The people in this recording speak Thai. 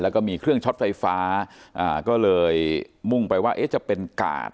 แล้วก็มีเครื่องช็อตไฟฟ้าก็เลยมุ่งไปว่าเอ๊ะจะเป็นกาด